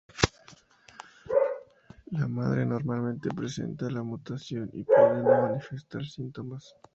La madre normalmente presenta la mutación y puede o no manifestar síntomas.